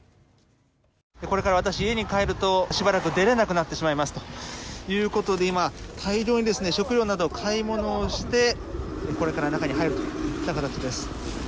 これから、私、家に帰るとしばらく出れなくなってしまいますということで今、大量に食料など買い物をしてこれから中に入るといった形です。